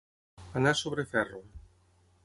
Anar sobre ferro.